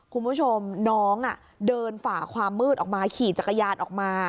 คุณผู้ชมน้องเดินฝ่าความมืดออกมาขี่จักรยานออกมา